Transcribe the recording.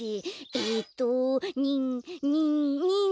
えっとにんにんにん。